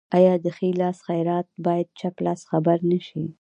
آیا د ښي لاس خیرات باید چپ لاس خبر نشي؟